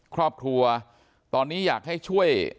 ครอบครัวตอนนี้อยากให้ช่วย